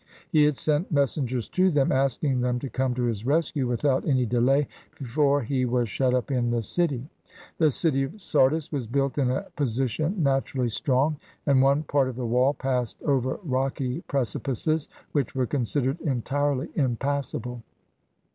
He had sent mes sengers to them, asking them to come to his rescue without any delay, before he was shut up in the city. The city of Sardis was built in a position naturally strong, and one part of the wall passed over rocky preci pices which were considered entirely impassable.